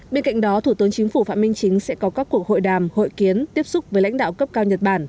bên cạnh đó thủ tướng chính phủ phạm minh chính sẽ có các cuộc hội đàm hội kiến tiếp xúc với lãnh đạo cấp cao nhật bản